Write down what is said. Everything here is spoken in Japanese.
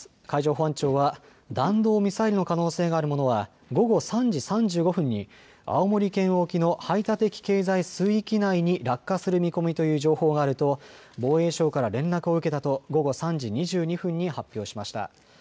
海上保安庁は弾道ミサイルの可能性があるものは午後３時３５分に青森県沖の排他的経済水域内に落下する見込みという情報があると防衛省から連絡を受けたと午後３時２２分に発表しました。